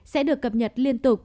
sẽ được cập nhật liên tục